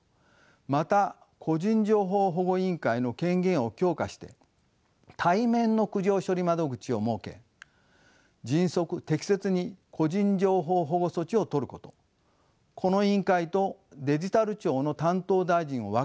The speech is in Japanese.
また個人情報保護委員会の権限を強化して対面の苦情処理窓口を設け迅速適切に個人情報保護措置をとることこの委員会とデジタル庁の担当大臣を分けることなどが必要です。